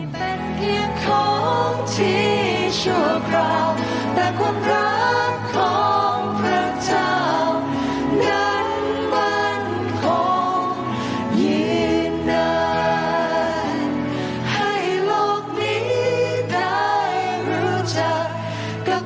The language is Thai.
โมมันรักแท้ในพระองค์